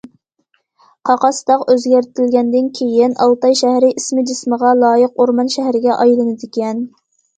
قاقاس تاغ ئۆزگەرتىلگەندىن كېيىن ئالتاي شەھىرى ئىسمى جىسمىغا لايىق ئورمان شەھىرىگە ئايلىنىدىكەن.